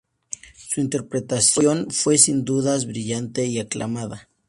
Su interpretación fue sin dudas brillante y aclamada.